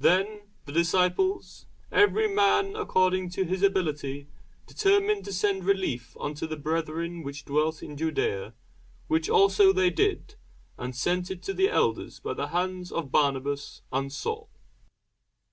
Then the disciples, every man according to his ability, determined to send relief unto the brethren which dwelt in Judæa: which also they did, and sent it to the elders by the hands of Barnabas and Saul.